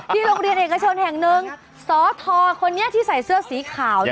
โรงเรียนเอกชนแห่งหนึ่งสทคนนี้ที่ใส่เสื้อสีขาว